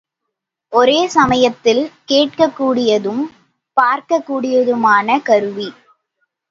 ஒரே சமயத்தில் கேட்கக் கூடியதும் பார்க்கக் கூடியதுமான கருவி.